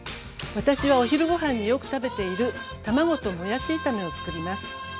私はお昼ごはんによく食べている卵ともやし炒めをつくります。